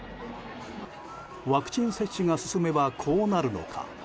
ワクチン接種が進めばこうなるのか。